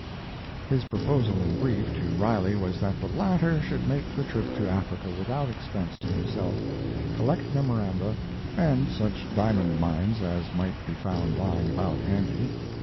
His proposal, in brief, to Riley was that the latter should make the trip to Africa without expense to himself, collect memoranda, and such diamond mines as might be found lying about handy.